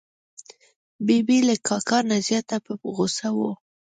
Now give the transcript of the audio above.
ببۍ له کاکا نه زیاته په غوسه وه.